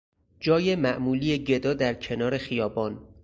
جای معمولی گدا در کنار خیابان